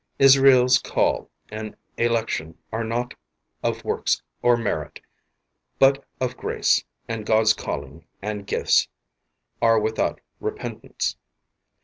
Israel's call and election are not of works or merit, but of grace, and God's calling and gifts , are without repentance.